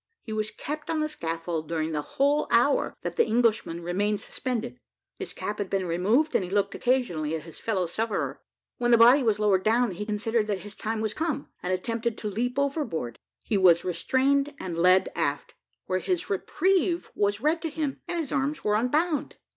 He was kept on the scaffold during the whole hour that the Englishman remained suspended; his cap had been removed, and he looked occasionally at his fellow sufferer. When the body was lowered down, he considered that his time was come, and attempted to leap overboard. He was restrained and led aft, where his reprieve was read to him, and his arms were unbound.